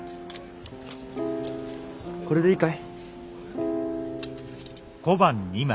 これでいいかい？